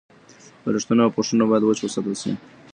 بالښتونه او پوښونه باید وچ وساتل شي.